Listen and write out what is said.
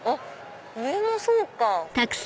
上もそうか！